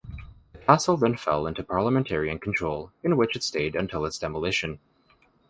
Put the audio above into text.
The castle then fell into Parliamentarian control in which it stayed until its demolition.